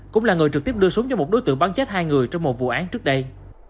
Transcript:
cũng là người trực tiếp đưa súng cho một đối tượng bắn chết hai người trong một vụ án trước đây